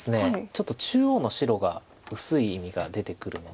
ちょっと中央の白が薄い意味が出てくるので。